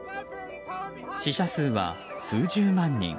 死者数は数十万人。